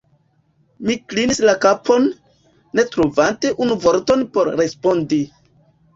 Mi klinis la kapon, ne trovante unu vorton por respondi.